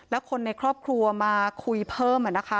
แล้วคนในครอบครัวมาคุยเพิ่ม